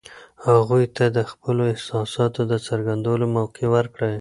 هغوی ته د خپلو احساساتو د څرګندولو موقع ورکړئ.